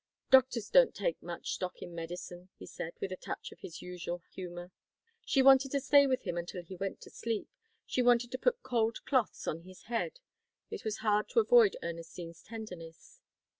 "Doctors don't take much stock in medicine," he said, with a touch of his usual humour. She wanted to stay with him until he went to sleep. She wanted to put cold cloths on his head. It was hard to avoid Ernestine's tenderness.